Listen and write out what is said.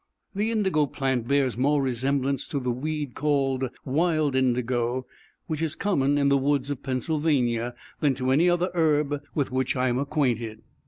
The indigo plant bears more resemblance to the weed called wild indigo, which is common in the woods of Pennsylvania, than to any other herb with which I am acquainted.